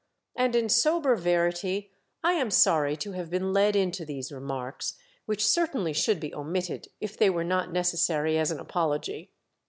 And in sober verity, I am sorry to have been led into these remarks, which certainly should be omitted if they were not necessary as an apology.